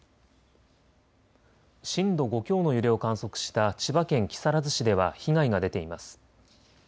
震度５強の揺れを観測した千葉県木更津市では被害が出ています。